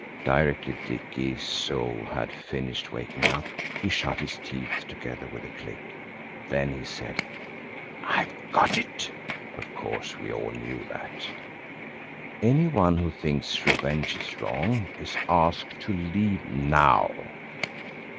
Directly Dicky's soul had finished waking up he shut his teeth together with a click. Then he said, "I've got it." Of course we all knew that. "Any one who thinks revenge is wrong is asked to leave now."